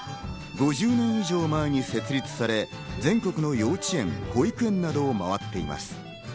５０年以上前に設立され、全国の幼稚園、保育園などを回っています。